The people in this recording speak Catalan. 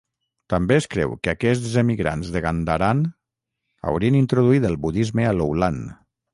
També es creu que aquests emigrants de Gandharan haurien introduït el budisme a Loulan.